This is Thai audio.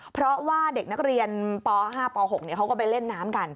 เพราะว่าเด็กนักเรียนป๕ป๖เขาก็ไปเล่นน้ำกัน